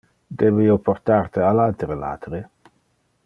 Debe io portar te al altere latere?